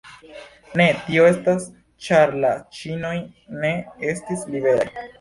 Ne, tio estas ĉar la ĉinoj ne estis liberaj.